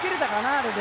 あれで。